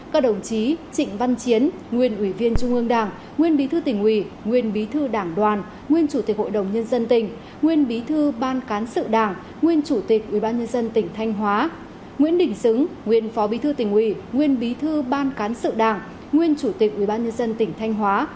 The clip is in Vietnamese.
các đồng chí trịnh văn chiến nguyên ủy viên trung ương đảng nguyên bí thư tỉnh ủy nguyên bí thư đảng đoàn nguyên chủ tịch hội đồng nhân dân tỉnh nguyên bí thư ban cán sự đảng nguyên chủ tịch ubnd tỉnh thanh hóa nguyễn đình xứng nguyên phó bí thư tỉnh ủy nguyên bí thư ban cán sự đảng nguyên chủ tịch ubnd tỉnh thanh hóa